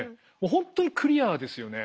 本当にクリアですよね。